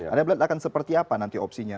anda melihat akan seperti apa nanti opsinya